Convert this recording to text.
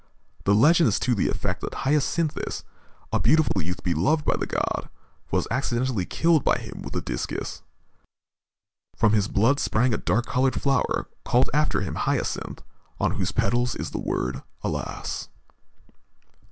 The legend is to the effect that Hyacinthus, a beautiful youth beloved by the god, was accidentally killed by him with a discus. From his blood sprang a dark colored flower called after him hyacinth, on whose petals is the word "alas."